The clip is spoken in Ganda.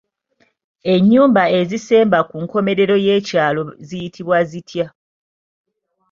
Enyumba ezisemba ku nkomerero y'ekyalo ziyitibwa zitya?